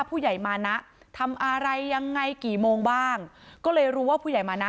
ผู้ใหญ่มานะทำอะไรยังไงกี่โมงบ้างก็เลยรู้ว่าผู้ใหญ่มานะ